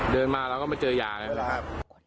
เดินมาแล้วก็ไม่เจอยาเลย